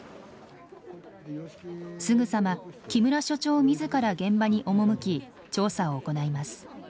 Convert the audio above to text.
すぐさま木村所長自ら現場に赴き調査を行います。